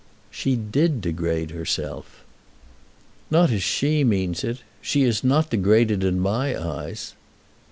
"She did degrade herself." "Not as she means it. She is not degraded in my eyes."